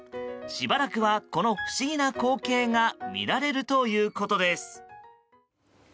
しばらくは、この不思議な光景が見られるということです。